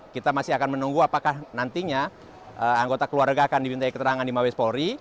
kita masih akan menunggu apakah nantinya anggota keluarga akan diminta keterangan di mabes polri